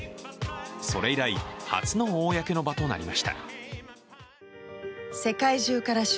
それ以来、初の公の場となりました